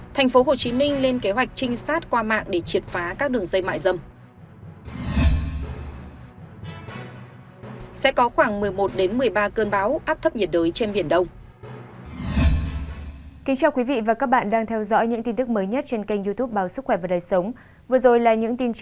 thành phố hồ chí minh lên kế hoạch trinh sát qua mạng để triệt phá các đường dây mại dầm